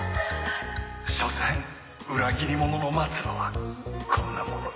しょせん裏切り者の末路はこんなものさ。